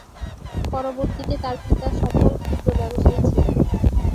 পরবর্তীতে তার পিতা সফল ক্ষুদ্র ব্যবসায়ী ছিলেন।